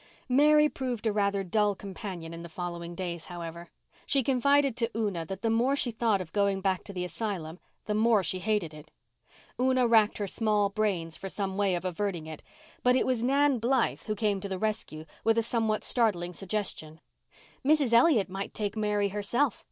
Mary proved a rather dull companion in the following days, however. She confided to Una that the more she thought of going back to the asylum the more she hated it. Una racked her small brains for some way of averting it, but it was Nan Blythe who came to the rescue with a somewhat startling suggestion. "Mrs. Elliott might take Mary herself.